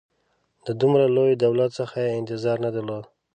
د دومره لوی دولت څخه یې انتظار نه درلود.